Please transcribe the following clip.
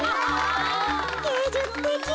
げいじゅつてき。